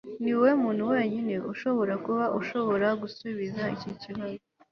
niwowe muntu wenyine ushobora kuba ushobora gusubiza iki kibazo